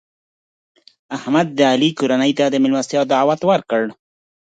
احمد د علي کورنۍ ته د مېلمستیا دعوت ورکړ.